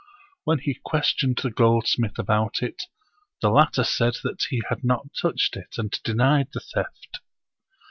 When he questioned the gold smith about it, the latter said that he had not touched it, and denied the theft.